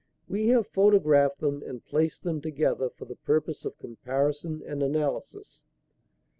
We have photographed them and placed them together for the purpose of comparison and analysis."